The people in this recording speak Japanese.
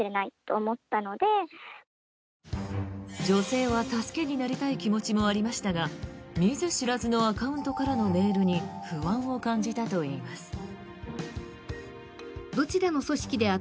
女性は助けになりたい気持ちもありましたが見ず知らずのアカウントからのメールに不安を感じたといいます。